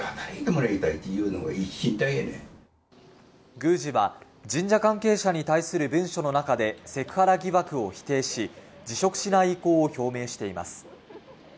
宮司は神社関係者に対する文書の中でセクハラ疑惑を否定し、辞職しない意向を表明しています。